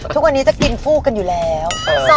ทุกวันนี้จะกินฟูกกันอยู่แล้ว